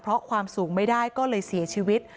เพราะความสูงไม่ได้ก็เลยเสียชีวิต